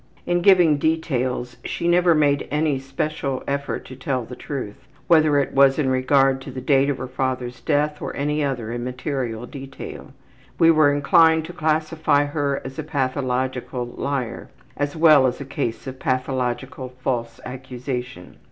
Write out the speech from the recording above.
In giving details she never made any special effort to tell the truth, whether it was in regard to the date of her father's death or any other immaterial detail. We were inclined to classify her as a pathological liar, as well as a case of pathological false accusation.